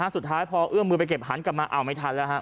สุดท้ายพอเอื้อมมือไปเก็บหันกลับมาอ้าวไม่ทันแล้วฮะ